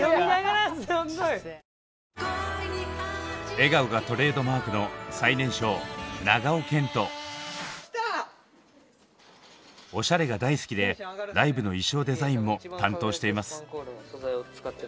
笑顔がトレードマークのおしゃれが大好きでライブの衣装デザインも担当しています。